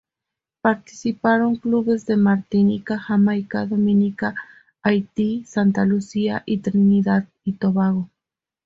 Participaron clubes de Martinica, Jamaica, Dominica, Haití, Santa Lucía y Trinidad y Tobago.